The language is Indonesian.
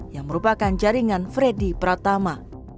yang merupakan jaringan freddy pratama